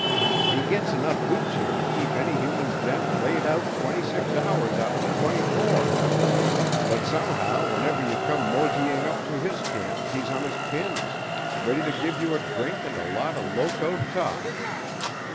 "He gets enough hooch here to keep any human gent laid out twenty six hours out of the twenty four, but somehow whenever you come moseying up to his camp he's on his pins, ready to give you a drink and a lot of locoed talk.